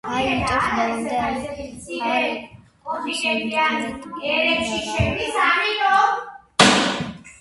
არ იჭერს მობილური, არ არის ინტერნეტი, რადიო მომსახურება შეზღუდულია.